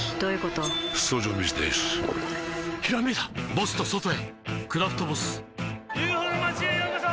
ボスと外へ「クラフトボス」ＵＦＯの町へようこそ！